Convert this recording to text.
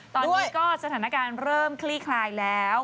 ตอนนี้ก็สถานการณ์เริ่มคลี่คลายแล้ว